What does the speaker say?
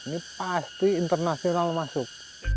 ini pasti internasional masuk